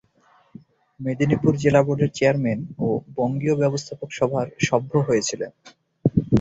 মেদিনীপুর জেলা বোর্ডের চেয়ারম্যান ও বঙ্গীয় ব্যবস্থাপক সভার সভ্য হয়েছিলেন।